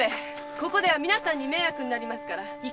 ここでは皆さんに迷惑になりますから行きましょう。